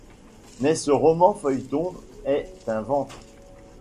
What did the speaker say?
Mais ce roman feuilleton est un ventre.